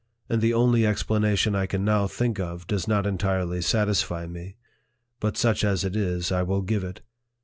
And the only ex planation I can now think of does not entirely satisfy me ; but such as it is, I will give it.